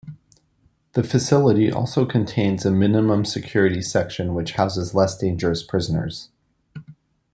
The facility also contains a minimum-security section which houses less dangerous prisoners.